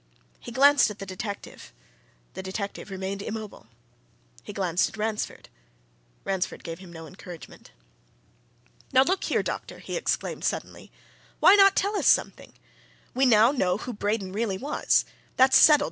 He glanced at the detective; the detective remained immobile; he glanced at Ransford; Ransford gave him no encouragement. "Now look here, doctor!" he exclaimed, suddenly. "Why not tell us something? We know now who Braden really was! That's settled.